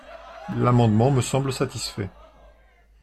L’amendement me semble satisfait.